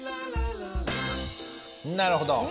なるほど。